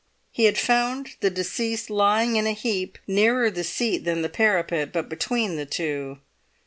He had found the deceased lying in a heap, nearer the seat than the parapet, but between the two.